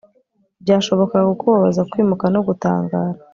byashobokaga kukubaza, kwimuka no gutangara